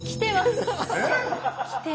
きてます。